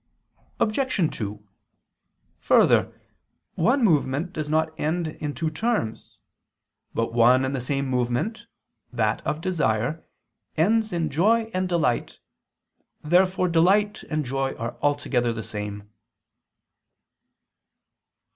Obj. 2: Further, one movement does not end in two terms. But one and the same movement, that of desire, ends in joy and delight. Therefore delight and joy are altogether the same.